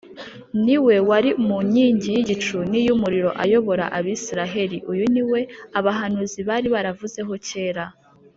. Ni We wari mu nkingi y’igicu n’iy’umuriro ayobora Abisiraheli. Uyu ni We abahanuzi bari baravuzeho kera.